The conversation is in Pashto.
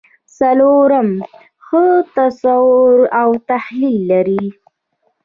څلورم ښه تصور او تحلیل لري.